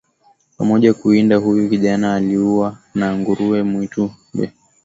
pamoja kuwinda huyu kijana aliuawa na nguruwe mwitu na Mbegha aliona hawezi kurudi Kilindi